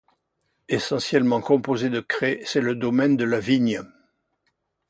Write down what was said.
Essentiellement composé de craie, c’est le domaine de la vigne.